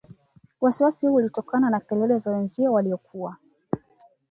Wasiwasi huu ulitokana na kelele za wenziye waliokuwa